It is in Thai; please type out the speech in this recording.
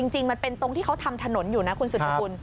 จริงมันเป็นตรงที่เขาทำถนนอยู่นะคุณสุดสกุล